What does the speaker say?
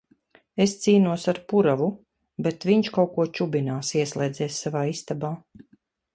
Es cīnos ar puravu, bet viņš kaut ko čubinās, ieslēdzies savā istabā.